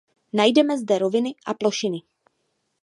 Najdeme zde roviny a plošiny.